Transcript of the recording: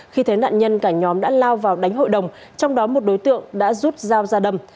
khi thấy nạn nhân cả nhóm đã lao vào đánh hội đồng trong đó một đối tượng đã rút dao ra đâm